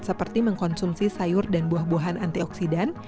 seperti mengkonsumsi sayur dan buah buahan antioksidan